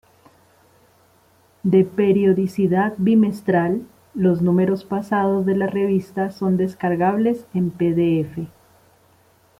De periodicidad bimestral, los números pasados de la revista son descargables en pdf.